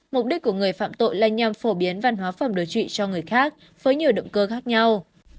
mục đích của người phạm tội là nhằm phổ biến văn hóa phẩm đối trụy cho người khác với nhiều động cơ khác nhau